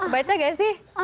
kebaca gak sih